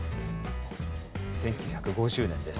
１９５０年です。